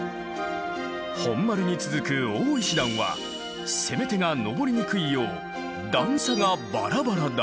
本丸に続く大石段は攻め手が上りにくいよう段差がバラバラだ。